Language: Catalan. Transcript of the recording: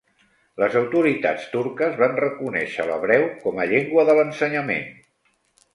Les autoritats turques van reconèixer l'hebreu com a llengua de l'ensenyament.